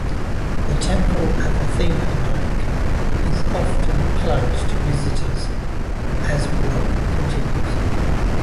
The Temple of Athena Nike is often closed to visitors as work continues.